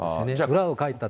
裏をかいたと。